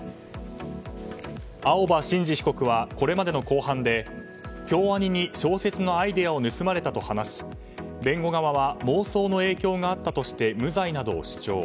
青葉真司被告はこれまでの公判で京アニに小説のアイデアを盗まれたと話し弁護側は妄想の影響があったとして無罪などを主張。